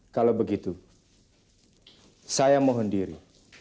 kalau begitu saya mohon diri